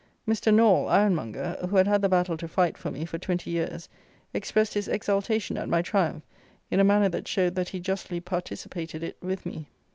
Mr. Naull, ironmonger, who had had the battle to fight for me for twenty years, expressed his exultation at my triumph in a manner that showed that he justly participated it with me.